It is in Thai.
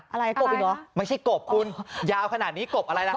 อะไรกบอีกเหรอไม่ใช่กบคุณยาวขนาดนี้กบอะไรล่ะค